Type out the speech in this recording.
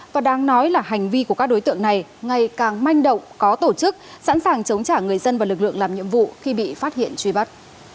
và đáng nói là hành vi của các đối tượng này ngày càng manh động có tổ chức sẵn sàng chống trả người dân và lực lượng làm nhiệm vụ khi bị phát hiện truy bắt